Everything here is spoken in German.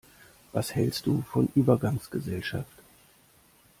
Was hälst du von Übergangsgesellschaft?